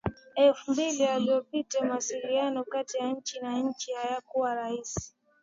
elfu mbili iliyopita mawasiliano kati ya nchi na nchi hayakuwa rahisi